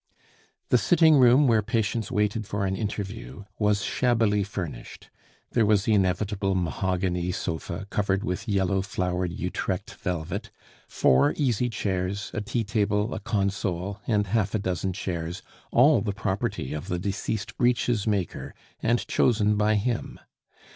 The sitting room, where patients waited for an interview, was shabbily furnished. There was the inevitable mahogany sofa covered with yellow flowered Utrecht velvet, four easy chairs, a tea table, a console, and half a dozen chairs, all the property of the deceased breeches maker, and chosen by him.